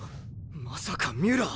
まさかミュラー⁉